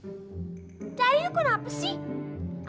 dari itu kenapa sih